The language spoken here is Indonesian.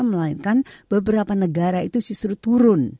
melainkan beberapa negara itu justru turun